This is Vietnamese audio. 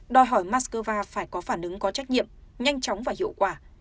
đòi hỏi moscow phải có phản ứng có trách nhiệm nhanh chóng và hiệu quả